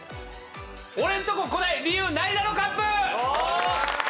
俺んとこ来ない理由ないだろＣＵＰ！